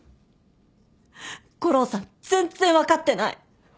悟郎さん全然分かってない！